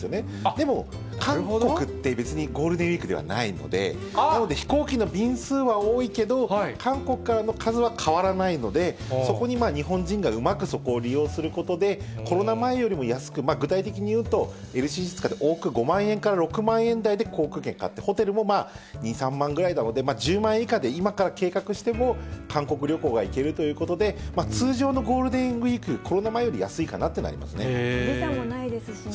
でも、韓国って、別にゴールデンウィークではないので、なので、飛行機の便数は多いけど、韓国からの数は変わらないので、そこに日本人がうまくそこを利用することで、コロナ前よりも安く、具体的にいうと、ＬＣＣ使って往復６万円台で航空券買って、ホテルも２、３万なので、今から計画しても、韓国旅行は行けるということで、通常のゴールデンウィーク、コロナ前より安いかなっていうの予算もないですしね。